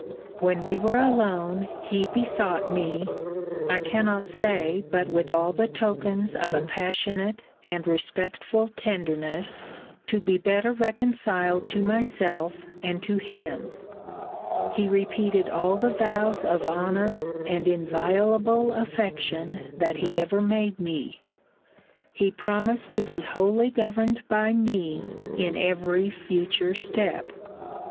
When we were alone, he besought me (I cannot say but with all the tokens of a passionate and respectful tenderness) to be better reconciled to myself and to him: he repeated all the vows of honour and inviolable affection that he ever made me: he promised to be wholly governed by me in every future step.